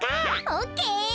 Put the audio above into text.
オッケー。